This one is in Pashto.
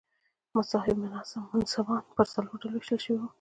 صاحب منصبان پر څلورو ډلو وېشل شوي وو.